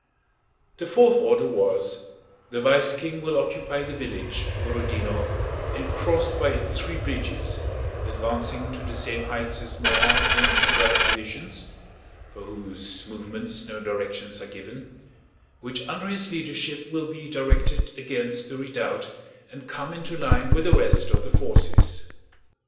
The fourth order was: The vice King will occupy the village (Borodinó) and cross by its three bridges, advancing to the same heights as Morand's and Gérard's divisions (for whose movements no directions are given), which under his leadership will be directed against the redoubt and come into line with the rest of the forces.